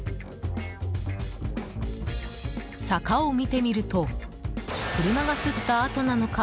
坂を見てみると車が擦った跡なのか